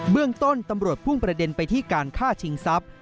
เรื่องต้นตำรวจพุ่งประเด็นไปที่การฆ่าชิงทรัพย์